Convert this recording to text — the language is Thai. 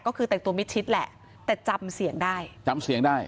ก็คือแต่งตัวมิดชิดแหละแต่จำเสียงได้จำเสียงได้